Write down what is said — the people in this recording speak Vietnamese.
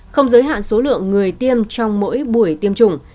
không giới hạn số lượng người tiêm trong mỗi buổi tiêm chủng